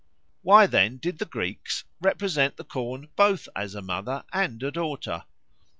Why then did the Greeks represent the corn both as a mother and a daughter?